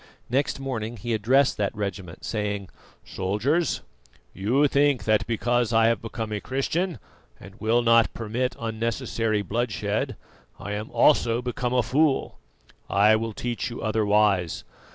Next morning he addressed that regiment, saying: "Soldiers, you think that because I have become a Christian and will not permit unnecessary bloodshed, I am also become a fool. I will teach you otherwise.